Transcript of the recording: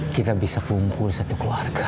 kita bisa kumpul satu keluarga